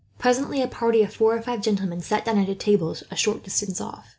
Presently a party of four or five gentlemen sat down at a table a short distance off.